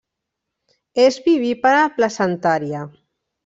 És vivípara placentària.